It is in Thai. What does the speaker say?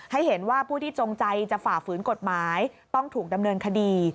ให้เห็นว่าผู้ที่จงใจจะฝ่าฝืนกฎหมายต้องถูกดำเนินคดี